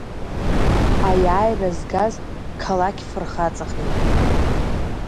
Аиааира згаз қалақь фырхаҵахеит.